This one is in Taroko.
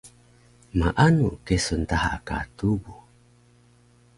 Maanu kesun daha ka tubu?